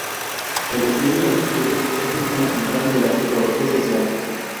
El estudio de actitudes es un tema central de la psicología social.